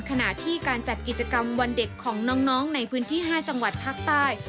ขณะที่การจัดกิจกรรมวันเด็กของน้องในพื้นที่๕จังหวัดภาคใต้